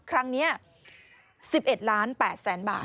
ครั้งนี้๑๑๘๐๐๐๐๐บาท